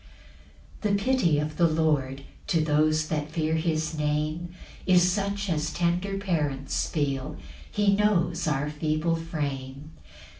5 The pity of the Lord To those that fear his Name, Is such as tender parents feel; He knows our feeble frame.